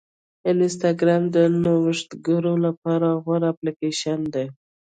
انسټاګرام د نوښتګرو لپاره غوره اپلیکیشن دی.